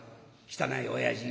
汚い親父。